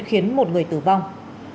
khiến một người tử vong